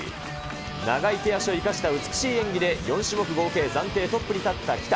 長い手足を生かした美しい演技で、４種目合計暫定トップに立った喜多。